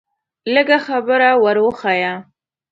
لږه خبره ور وښیه.